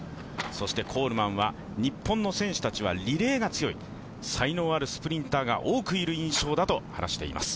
そして、コールマンは日本の選手たちはリレーが強い、才能あるスプリンターが多くいる印象だと話しています。